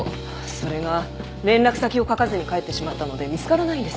それが連絡先を書かずに帰ってしまったので見つからないんです。